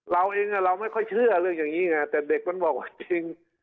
เราเองเราไม่ค่อยเชื่อเรื่องอย่างนี้ไงแต่เด็กมันบอกว่าจริง